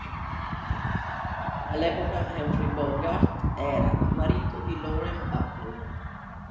All'epoca Humphrey Bogart era il marito di Lauren Bacall.